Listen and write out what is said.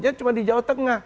dia cuma di jawa tengah